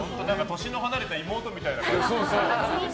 年の離れた妹みたいだよね。